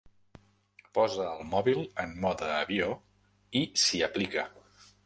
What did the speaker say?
Posa el mòbil en mode avió i s'hi aplica.